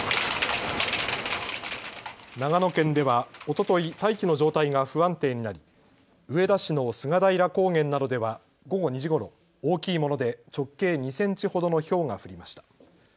長野県ではおととい、大気の状態が不安定になり上田市の菅平高原などでは午後２時ごろ、大きいもので直径２センチほどのひょうが降りました。